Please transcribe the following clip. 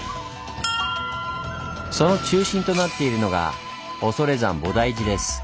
その中心となっているのが恐山菩提寺です。